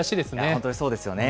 本当にそうですよね。